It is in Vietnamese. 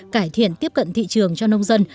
cải thiện tiếp cận thị trường cho nông dân